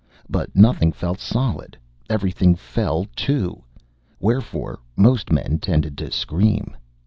But nothing felt solid. Everything fell, too. Wherefore most men tended to scream.